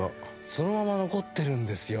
そのまま残ってるんですよ。